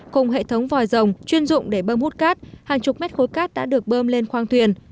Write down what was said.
cùng hệ thống vòi rồng chuyên dụng để bơm hút cát hàng chục mét khối cát đã được bơm lên khoang thuyền